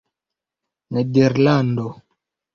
nederlando